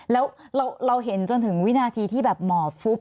แล้วเราเห็นจนถึงวินาทีที่แบบหมอฟุ๊บ